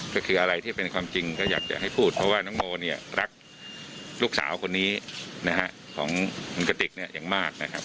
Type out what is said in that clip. ก็คืออะไรที่เป็นความจริงก็อยากจะให้พูดเพราะว่าน้องโมเนี่ยรักลูกสาวคนนี้นะฮะของคุณกติกเนี่ยอย่างมากนะครับ